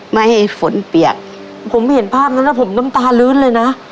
ไม่ให้ฝนเปียกผมเห็นภาพนั้นแล้วผมน้ำตาลื้นเลยนะ